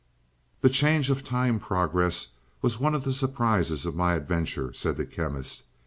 "The change of time progress was one of the surprises of my adventure," said the Chemist.